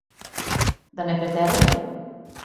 Да не претерујем?